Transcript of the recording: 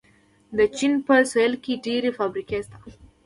د چین په سویل کې ډېرې فابریکې شته.